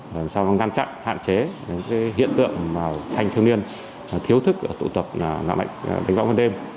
làm sao ngăn chặn hạn chế những hiện tượng thanh thiếu niên thiếu thức của tụ tập lạng lách đánh bóng ban đêm